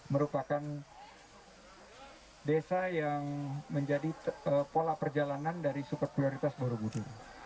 merupakan desa yang menjadi pola perjalanan dari super prioritas borobudur